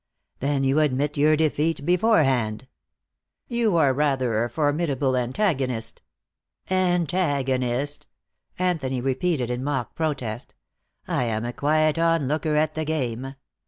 "Then you admit your defeat beforehand." "You are rather a formidable antagonist." "Antagonist!" Anthony repeated in mock protest. "I am a quiet onlooker at the game.